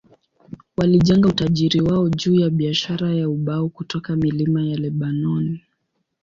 Walijenga utajiri wao juu ya biashara ya ubao kutoka milima ya Lebanoni.